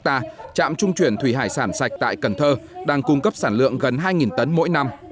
trạm trung chuyển thủy hải sản sạch tại cần thơ đang cung cấp sản lượng gần hai tấn mỗi năm